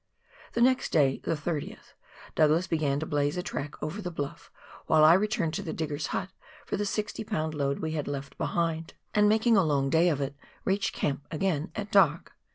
The next day, the 30th, Douglas began to blaze a track over the bluff, while I returned to the diggers' hut for the 60 lb. load we had left behind, and making a long day of it, reached camp again at dark.